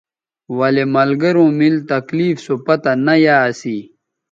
ولے ملگروں میل تکلیف سو پتہ نہ یا اسی